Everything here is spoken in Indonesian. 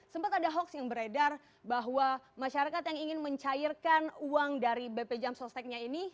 sempat ada hoax yang beredar bahwa masyarakat yang ingin mencairkan uang dari bp jam sosteknya ini